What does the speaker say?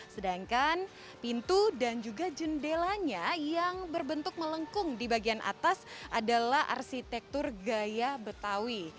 sedangkan pintu dan juga jendelanya yang berbentuk melengkung di bagian atas adalah arsitektur gaya betawi